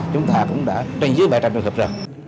chúng ta cũng đã trên dưới bài trang trường hợp ra